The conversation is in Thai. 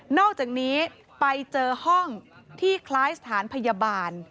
อกจากนี้ไปเจอห้องที่คล้ายสถานพยาบาล